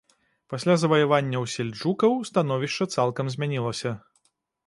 Пасля заваяванняў сельджукаў становішча цалкам змянілася.